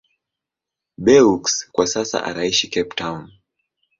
Beukes kwa sasa anaishi Cape Town.